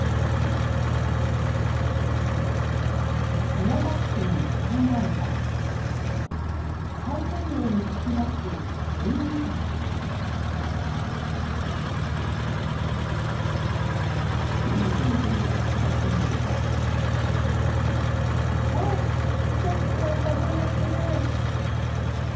宮崎県の最南端太平洋に突き出す都井岬おお結構風が強い。